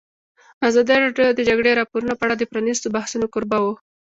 ازادي راډیو د د جګړې راپورونه په اړه د پرانیستو بحثونو کوربه وه.